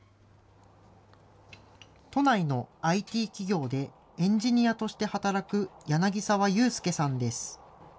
都内のＩＴ企業でエンジニアとして働く柳澤悠介さんです。